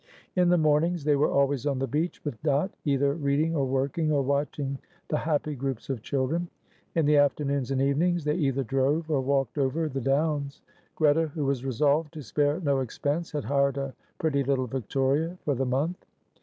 In the mornings they were always on the beach with Dot, either reading or working, or watching the happy groups of children. In the afternoons and evenings they either drove or walked over the downs. Greta, who was resolved to spare no expense, had hired a pretty little victoria for the month.